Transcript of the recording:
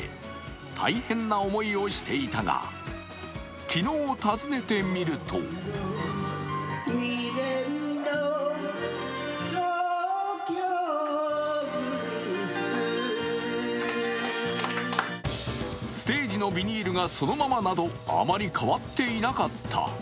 大変な思いをていたが、昨日訪ねてみるとステージのビニールがそのままなど、あまり変わっていなかった。